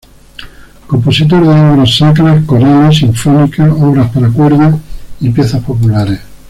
Compositor de obras sacras, corales, sinfónicas, obras para cuerdas y piezas populares.